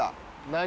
何？